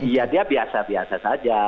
ya dia biasa biasa saja